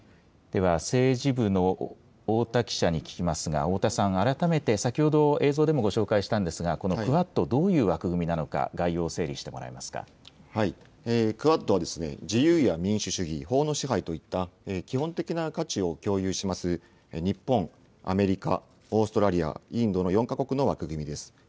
では、政治部の太田記者に聞きますが、太田さん、改めて先ほど、映像でもお伝えしたんですが、このクアッド、どういう枠組みなのクアッドは自由や民主主義、法の支配といった基本的な価値を共有します日本、アメリカ、オーストラリア、インドの４か国の枠組みです。